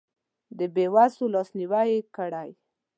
د بې وسو لاسنیوی یې کړی.